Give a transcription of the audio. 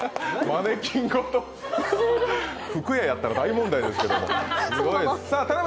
マネキンごと服屋やったら大問題ですけど。